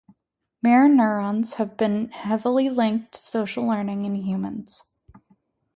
Mirror neurons have been heavily linked to social learning in humans.